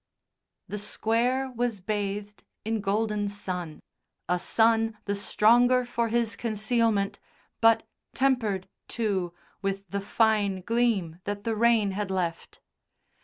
The Square was bathed in golden sun, a sun, the stronger for his concealment, but tempered, too, with the fine gleam that the rain had left.